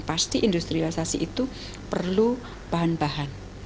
pasti industrialisasi itu perlu bahan bahan